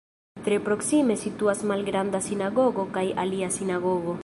Tre proksime situas Malgranda Sinagogo kaj alia sinagogo.